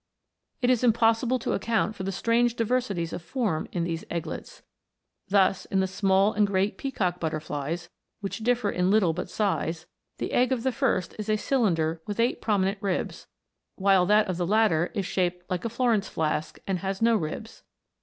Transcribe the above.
It is im possible to account for the strange diversities of form in these egglets ; thus, in the small and great peacock butterflies, which differ in little but size, the egg of the first is a cylinder with eight promi nent ribs, while that of the latter is shaped like a Florence flask and has no ribs.